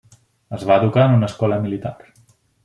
Es va educar en una escola militar.